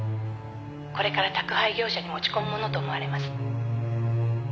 「これから宅配業者に持ち込むものと思われます」